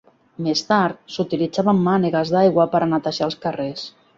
Més tard, s'utilitzaven mànegues d'aigua per a netejar els carrers.